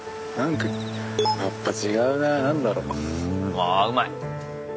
わあうまい！